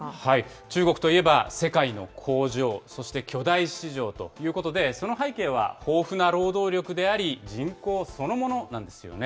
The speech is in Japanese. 中国といえば世界の工場、そして巨大市場ということで、その背景は豊富な労働力であり、人口そのものなんですよね。